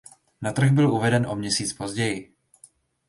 Na trh byl uveden o měsíc později.